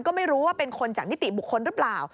ก็ไม่รู้ว่าเป็นคนจากนิติบุคคลหรือเปล่า